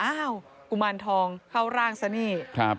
กุมารทองเข้าร่างซะนี่